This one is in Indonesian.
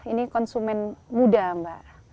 ini konsumen muda mbak